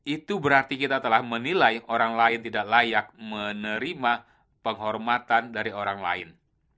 itu berarti kita telah menilai orang lain tidak layak menerima penghormatan dari orang lain